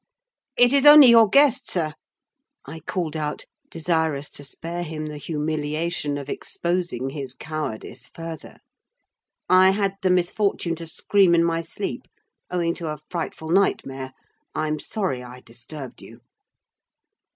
"It is only your guest, sir," I called out, desirous to spare him the humiliation of exposing his cowardice further. "I had the misfortune to scream in my sleep, owing to a frightful nightmare. I'm sorry I disturbed you."